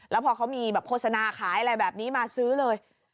แล้วพอเขามีแบบโฆษณาขายอะไรแบบนี้มาซื้อเลย